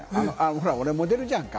俺、モデルじゃんか？